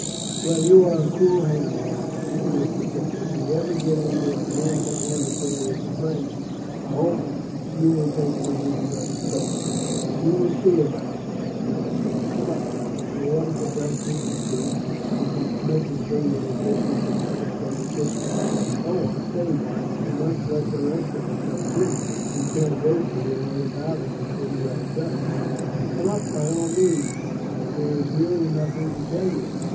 "Well, you are a cool hand, Wyatt," Lister said. "If we ever get into a hand to hand affair with the French, I hope you will take me under your protection." "We will see about it," Frank laughed. "Well, come up now. I ordered the breakfast for two, and I see Smith is bringing the dishes across from the kitchen." "Oh, I say, Wyatt, you must let the rest of us up too. We can't wait to hear all about it until you have done." "Come up, by all means. There is really nothing to tell you."